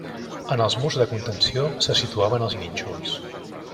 En els murs de contenció se situaven els nínxols.